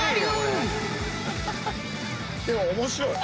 でも面白い。